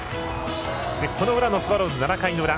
この裏のスワローズ、７回裏。